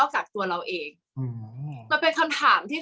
กากตัวทำอะไรบ้างอยู่ตรงนี้คนเดียว